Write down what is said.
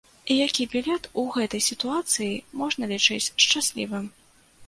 І які білет у гэтай сітуацыі можна лічыць шчаслівым?